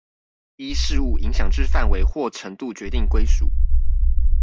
依事務影響之範圍或程度決定歸屬